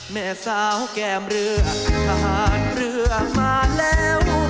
แม่สาวแก้มเรือทหารเรือมาแล้ว